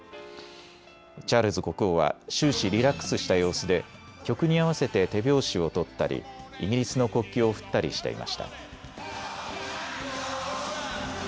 チャールズ国王は終始リラックスした様子で曲に合わせて手拍子を取ったりイギリスの国旗を振ったりしていました。